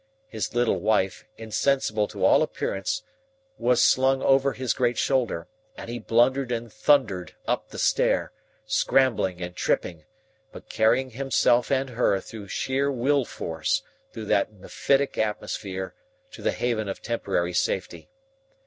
His little wife, insensible to all appearance, was slung over his great shoulder, and he blundered and thundered up the stair, scrambling and tripping, but carrying himself and her through sheer will force through that mephitic atmosphere to the haven of temporary safety.